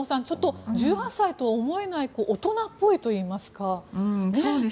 ちょっと１８歳とは思えない大人っぽいといいますか。